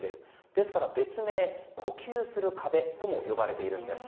ですから、別名・呼吸する壁とも呼ばれているんです。